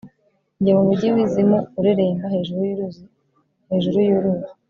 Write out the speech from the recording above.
njye mumujyi wizimu ureremba hejuru yuruzi hejuru yuruzi